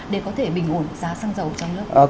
để có thể bình ổn giá xăng dầu trong nước